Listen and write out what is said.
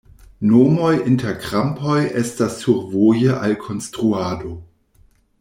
Nomoj inter krampoj estas survoje al konstruado.